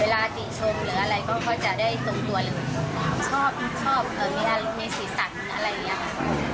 เวลาติดชมหรืออะไรก็จะได้ตรงตัวชอบมีสีสันอะไรอย่างนี้